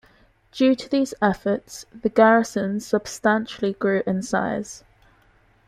Due to these efforts, the garrison substantially grew in size.